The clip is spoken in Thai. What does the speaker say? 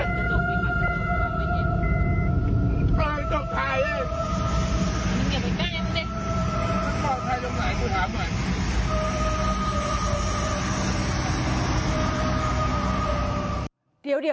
มันปลอดภัยตรงไหนกูถามหน่อย